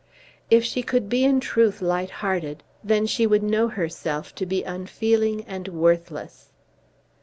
If she could be in truth light hearted, then would she know herself to be unfeeling and worthless.